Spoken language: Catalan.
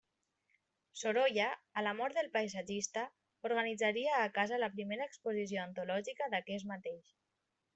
Sorolla, a la mort del paisatgista, organitzaria a casa la primera exposició antològica d'aquest mateix.